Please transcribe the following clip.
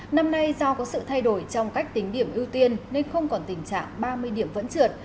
năm nay do có sự thay đổi trong cách tính điểm ưu tiên nên không còn tình trạng ba mươi điểm vẫn trượt